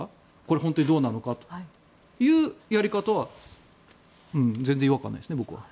本当にどうなのかというやり方は全然違和感ないですね、僕は。